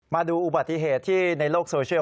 มาดูอุบัติเหตุที่ในโลกโซเชียล